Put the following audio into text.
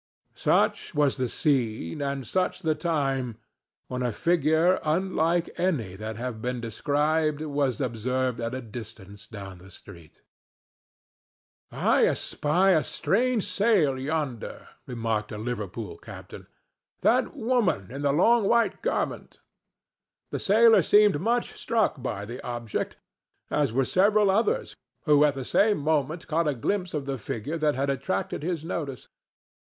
Such was the scene, and such the time, when a figure unlike any that have been described was observed at a distance down the street. "I espy a strange sail yonder," remarked a Liverpool captain—"that woman in the long white garment." The sailor seemed much struck by the object, as were several others who at the same moment caught a glimpse of the figure that had attracted his notice.